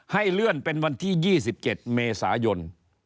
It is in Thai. ให้เลื่อนเป็นวันที่๒๗เมษายน